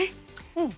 うん。